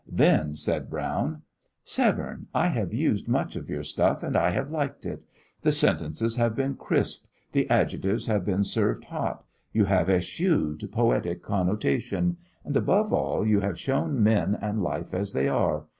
Then said Brown: "Severne, I have used much of your stuff, and I have liked it. The sentences have been crisp. The adjectives have been served hot. You have eschewed poetic connotation. And, above all, you have shown men and life as they are.